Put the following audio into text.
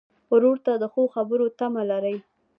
ورور ته د ښو خبرو تمه لرې.